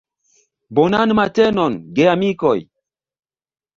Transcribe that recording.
Bonan matenon, geamikoj!